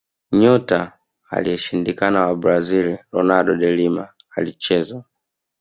nyota aliyeshindikana wa brazil ronaldo de lima alicheza